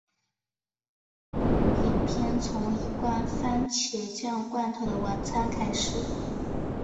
影片从一罐蕃茄酱罐头的晚餐开始。